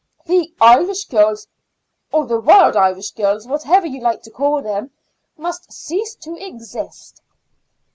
The Irish Girls or the Wild Irish Girls, whatever you like to call them must cease to exist."